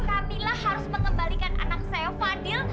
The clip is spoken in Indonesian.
camillah harus mengembalikan anak saya fadil